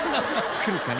来るかな？